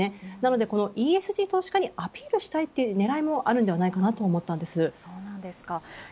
このＥＳＧ投資家にアピールしたいという狙いもあるのではないかと思いました。